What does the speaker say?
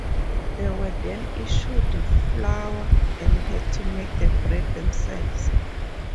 They were then issued flour and had to make the bread themselves.